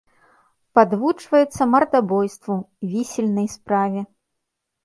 Падвучваецца мардабойству, вісельнай справе.